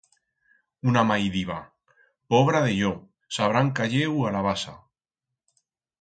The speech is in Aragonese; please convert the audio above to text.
Una mai diba: “Pobra de yo, s'habrán cayeu a la basa.”